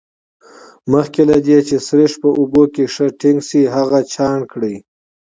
مخکې له دې چې سريښ په اوبو کې ښه ټینګ شي هغه چاڼ کړئ.